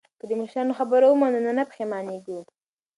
که د مشرانو خبره ومنو نو نه پښیمانیږو.